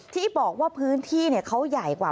ที่บอกว่าพื้นที่เขาใหญ่กว่า